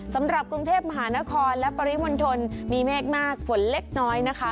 สำหรับกรุงเทพมหานครและปริมณฑลมีเมฆมากฝนเล็กน้อยนะคะ